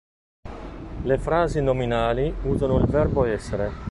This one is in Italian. Le frasi nominali usano il verbo "essere".